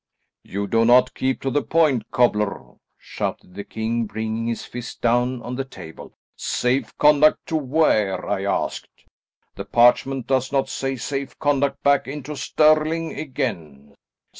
"You do not keep to the point, cobbler," shouted the king bringing his fist down on the table. "Safe conduct to where? I asked. The parchment does not say safe conduct back into Stirling again.